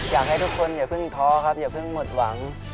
อยากให้ทุกคนอย่าเพิ่งท้อครับอย่าเพิ่งหมดหวัง